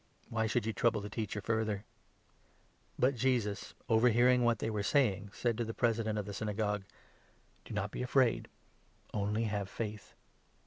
Why should you trouble the Teacher further ?" But Jesus, overhearing what they were saying, said to the 36 President of the Synagogue :" Do not be afraid ; only have faith."